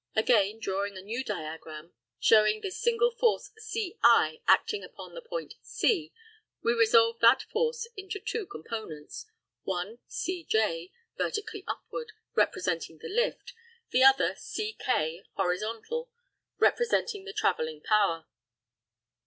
Again drawing a new diagram, showing this single force CI acting upon the point C, we resolve that force into two components one, CJ, vertically upward, representing the lift; the other, CK, horizontal, representing the travelling power.